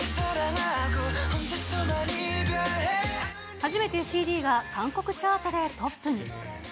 初めてＣＤが韓国チャートでトップに。